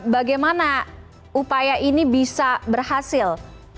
bagaimana upaya ini bisa berhasil